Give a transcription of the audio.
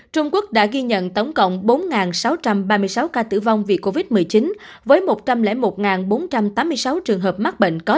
trung quốc đã ghi nhận tổng cộng bốn sáu trăm ba mươi sáu ca tử vong vì covid một mươi chín với một trăm linh một bốn trăm tám mươi sáu trường hợp mắc bệnh